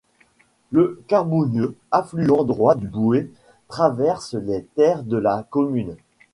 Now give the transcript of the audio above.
Le Cabournieu, affluent droit du Bouès, traverse les terres de la commune.